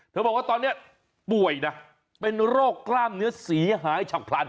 บอกว่าตอนนี้ป่วยนะเป็นโรคกล้ามเนื้อเสียหายฉับพลัน